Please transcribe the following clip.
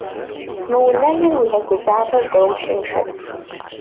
Мы унэжьыр уигъэгузавэу даущыншэт.